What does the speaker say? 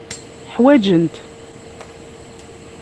Ḥwajen-t.